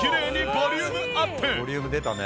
ボリューム出たね。